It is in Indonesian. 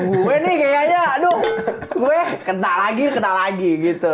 gue nih kayaknya aduh gue kental lagi kental lagi gitu